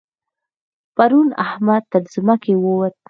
پرون احمد تر ځمکې ووت.